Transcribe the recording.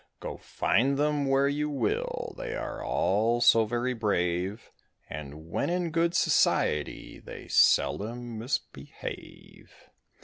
Go find them where you will, they are all so very brave, And when in good society they seldom misbehave.